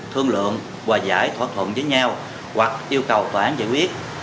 thương lượng hòa giải thỏa thuận với nhau hoặc yêu cầu tòa án giải quyết